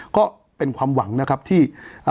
ก็เป็นความหวังนะครับที่